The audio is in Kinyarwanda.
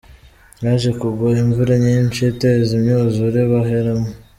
Haje kugwa imvura nyinshi iteza imyuzure baheramo.